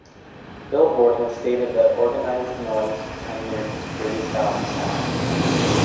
"Billboard" has stated that Organized Noize "pioneered the Dirty South sound.